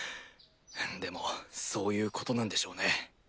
でもそういうことなんでしょうね。